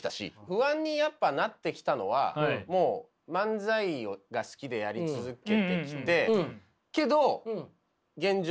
不安にやっぱなってきたのはもう漫才が好きでやり続けてきてけど現状